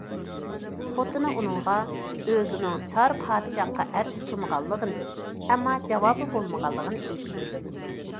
خوتۇنى ئۇنىڭغا ئۆزىنىڭ چار پادىشاھقا ئەرز سۇنغانلىقىنى، ئەمما جاۋابى بولمىغانلىقىنى ئېيتتى.